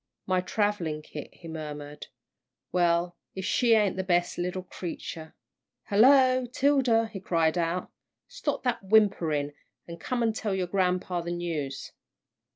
"My travelling kit," he murmured; "well, if she ain't the best little creature!" "Hello, 'Tilda!" he called out; "stop that whimpering, and come and tell grampa the news."